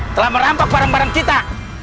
telah merampuk bareng bareng kita